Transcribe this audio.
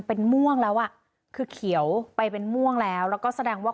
เป็นม่วงแล้วอ่ะคือเขียวไปเป็นม่วงแล้วแล้วก็แสดงว่า